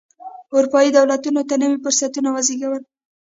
اروپايي دولتونو ته نوي فرصتونه وزېږولې.